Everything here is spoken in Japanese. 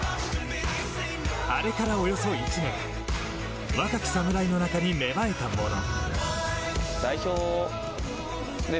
あれから、およそ１年若きサムライの中に芽生えたもの。